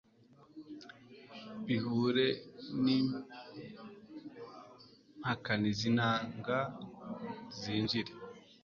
bihure n'impakanizi inanga zinjire